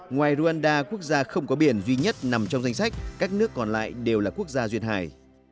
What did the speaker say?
ngoài rwanda quốc gia không có biển duy nhất nằm trong danh sách các nước còn lại đều là quốc gia duyên hải